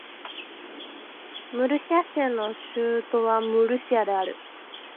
ムルシア州の州都はムルシアである